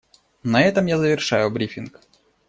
На этом я завершаю брифинг.